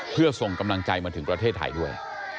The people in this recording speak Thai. เพื่อส่งกำลังใจมาถึงประเทศไทยด้วย